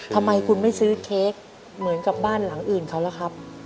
ทำไมคุณไม่ซื้อเค้กเหมือนกับบ้านหลังอื่นเขาล่ะครับ